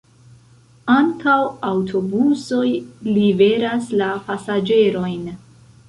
Ankaŭ aŭtobusoj liveras la pasaĝerojn.